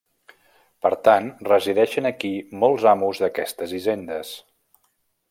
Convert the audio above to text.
Per tant, resideixen aquí molts amos d'aquestes hisendes.